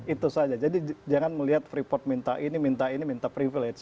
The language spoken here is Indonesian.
itu saja jadi jangan melihat freeport minta ini minta ini minta privilege